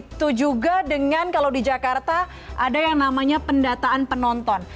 begitu juga dengan kalau di jakarta ada yang namanya pendataan penonton